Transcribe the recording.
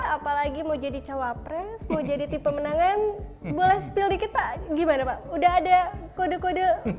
apalagi mau jadi cawapres mau jadi tipe menangan boleh spill dikit pak gimana pak udah ada kode kode